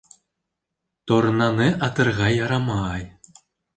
Торнаны атырға ярамай.